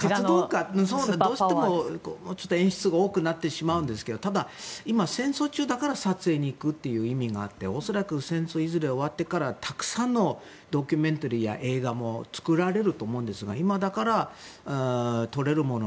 どうしても演出が多くなってしまうんですがただ、今、戦争中だから撮影に行くという意味があって恐らく戦争がいずれ終わってからたくさんのドキュメンタリーや映画も作られると思うんですが今だから撮れるもの